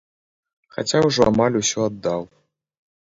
Хаця ўжо амаль усё аддаў.